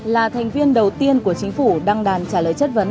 là thành viên đầu tiên của chính phủ đăng đàn trả lời chất vấn